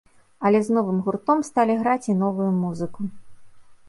Але з новым гуртом сталі граць і новую музыку.